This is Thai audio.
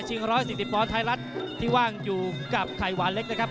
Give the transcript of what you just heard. ชิงร้อยสิบบอลไทยรัฐที่ว่างอยู่กับไขวานเล็กนะครับ